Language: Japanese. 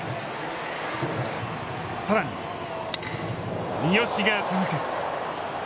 さらに、三好が続く。